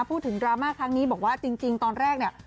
ดราม่าครั้งนี้บอกว่าจริงตอนแรกเนี่ย